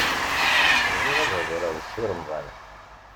Bɣiɣ ad hedṛeɣ d Si Remḍan.